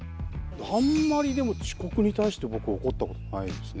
あんまりでも遅刻に対して僕怒った事ないですね